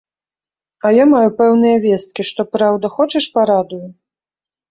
А я маю пэўныя весткі, што праўда, хочаш, парадую?